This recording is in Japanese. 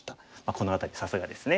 この辺りさすがですね。